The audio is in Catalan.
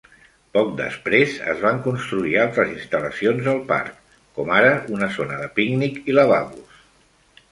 Poc després, es van construir altres instal·lacions al parc, com ara una zona de pícnic i lavabos.